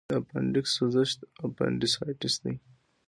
د اپنډکس سوزش اپنډیسایټس دی.